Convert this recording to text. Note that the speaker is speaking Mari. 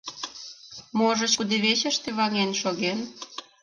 Можыч, кудывечыште ваҥен шоген?